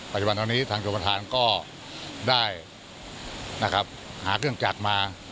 ปัจจุบันนี้ทางจุดประธานก็ได้หาเครื่องจากมา